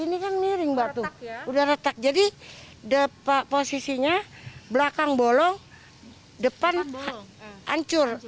ini kan miring batu udah retak jadi posisinya belakang bolong depan hancur